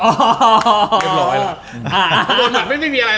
อาร์โดมัสอาร์โดมัส